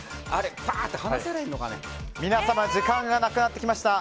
皆様時間が無くなってきました。